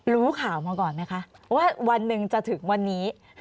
รู้ข่าวมาก่อนไหมคะว่าวันหนึ่งจะถึงวันนี้